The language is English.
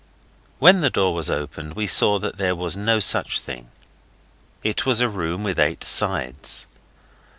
When the door was opened we saw that there was no such thing. It was a room with eight sides.